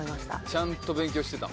「ちゃんと勉強してた」